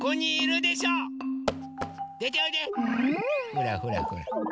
ほらほらほら。